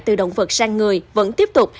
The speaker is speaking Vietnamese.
từ động vật sang người vẫn tiếp tục